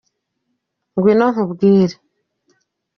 Ngwino nkubwire.